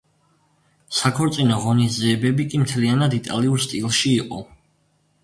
საქორწინო ღონისძიებები კი მთლიანად იტალიურ სტილში იყო.